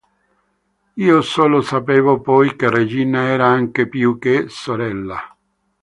Io solo sapevo poi che Regina era anche più che sorella.